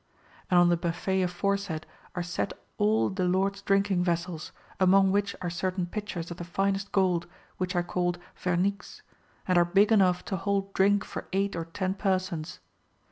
[And on the buffet aforesaid are set all the Lord's drinking vessels, among which are certain pitchers of the finest gold,] which are called verniqnes'^ and are big enough to hold drink for eight or ten persons.